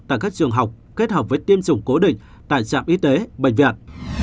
tại các trường học kết hợp với tiêm chủng cố định tại trạm y tế bệnh viện